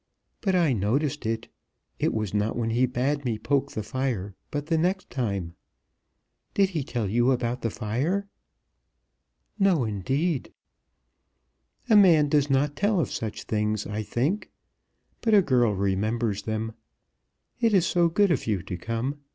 But I noticed it. It was not when he bade me poke the fire, but the next time. Did he tell you about the fire?" "No, indeed." "A man does not tell of such things, I think; but a girl remembers them. It is so good of you to come.